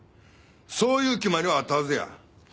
そういう決まりがあったはずや。